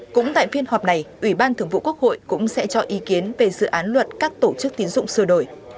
cũng tại phiên họp này ủy ban thường vụ quốc hội cũng sẽ cho ý kiến về dự án luật các tổ chức tín dụng sửa đổi